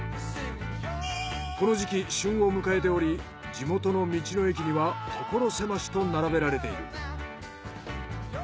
この時期旬を迎えており地元の道の駅にはところ狭しと並べられている。